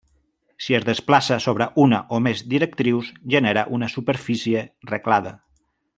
Si es desplaça sobre una o més directrius, genera una superfície reglada.